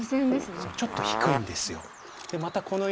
そうちょっと低いんですよ。